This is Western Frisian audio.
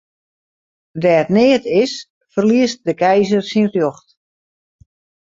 Dêr't neat is, ferliest de keizer syn rjocht.